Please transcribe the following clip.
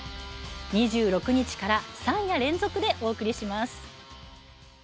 ２６日から３夜連続でお送りします。